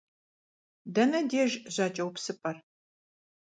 Дэнэ деж жьакӏэупсыпӏэр?